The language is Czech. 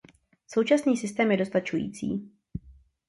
Současný systém je dostačující.